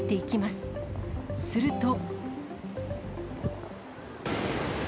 すると。